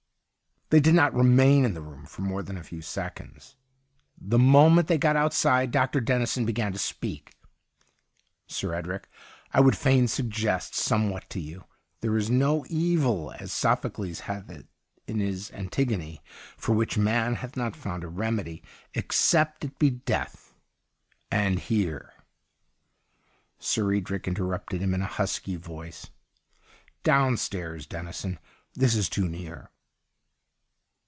They did not remain in the room 116 THE UNDYING THING for more than a few seconds. The moment they got outside, Dr. Dennison began to speak. ' Sir Edric, I would fain suggest somewhat to you. There is no evilj as Sophocles hath it in his "Antigone," for which man hath not found a remedy, except it be death, and here ' Sir Edric interrupted him in a husky voice. ' Downstairs, Dennison. This is too near.'